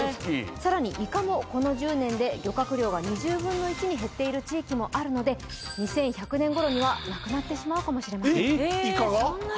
さらにイカもこの１０年で漁獲量が２０分の１に減っている地域もあるので２１００年頃にはなくなってしまうかもしれません